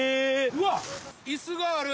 うわっ、いすがある。